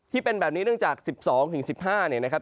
ที่เป็นแบบนี้เนื่องจาก๑๒๑๕เนี่ยนะครับ